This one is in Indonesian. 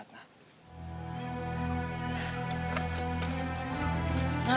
hai dan kemungkinan besar